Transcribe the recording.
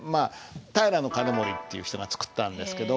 平兼盛っていう人が作ったんですけど。